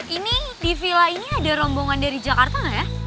ini di villa ini ada rombongan dari jakarta nggak ya